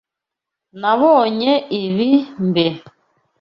Nabonye ibi mbere.